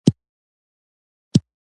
ملګري د ژوند ملګرتیا ده.